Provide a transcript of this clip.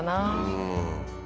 うん